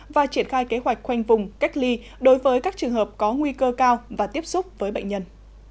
và triển khai kế hoạch khoanh vùng cách ly đối với các trường hợp có nguy cơ cao và tiếp xúc với bệnh nhân